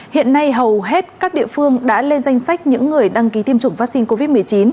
hiện nay hầu hết các địa phương đã lên danh sách những người đăng ký tiêm chủng vaccine covid một mươi chín